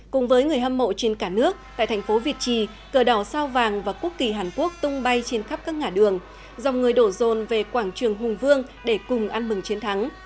cùng với người hâm mộ trên cả nước tại thành phố việt trì cờ đỏ sao vàng và quốc kỳ hàn quốc tung bay trên khắp các ngã đường dòng người đổ rồn về quảng trường hùng vương để cùng ăn mừng chiến thắng